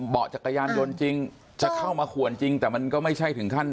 จักรยานยนต์จริงจะเข้ามาขวนจริงแต่มันก็ไม่ใช่ถึงขั้น